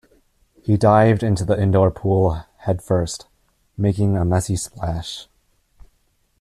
He dived into the indoor pool head first, making a messy splash.